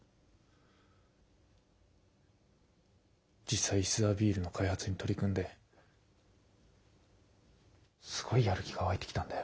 実際石沢ビールの開発に取り組んですごいやる気が湧いてきたんだよ。